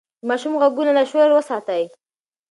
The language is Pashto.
د ماشوم غوږونه له شور وساتئ.